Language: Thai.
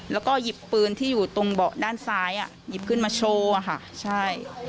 แล้วก็หยิบปืนที่อยู่ตรงเบาะด้านซ้ายอ่ะหยิบขึ้นมาโชว์อะค่ะใช่